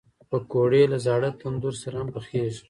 پکورې له زاړه تندور سره هم پخېږي